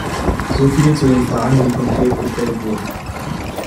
So viel zu den Fragen, die konkret gestellt wurden.